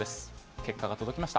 結果が届きました。